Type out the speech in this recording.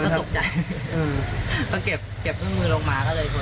มันเหมียนจังอะไรอย่างนี้มันเหมียนมาก